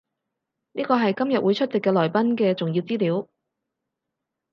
呢個係今日會出席嘅來賓嘅重要資料